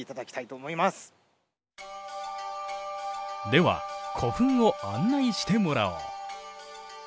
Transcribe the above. では古墳を案内してもらおう。